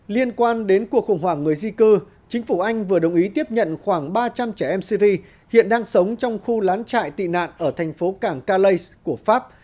liên quan đến cuộc khủng hoảng người di cư chính phủ anh vừa đồng ý tiếp nhận khoảng ba trăm linh trẻ em syri hiện đang sống trong khu lán trại tị nạn ở thành phố cảng calais của pháp